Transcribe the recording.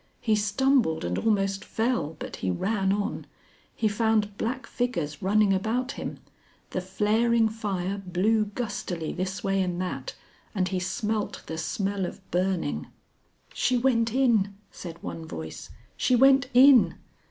He stumbled and almost fell, but he ran on. He found black figures running about him. The flaring fire blew gustily this way and that, and he smelt the smell of burning. "She went in," said one voice, "she went in."